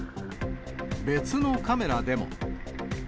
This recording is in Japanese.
別のカメラでも。